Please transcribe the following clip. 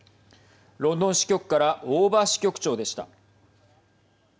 ロンドン支局から大庭支局長でした。